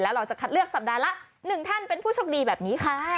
เราจะคัดเลือกสัปดาห์ละ๑ท่านเป็นผู้โชคดีแบบนี้ค่ะ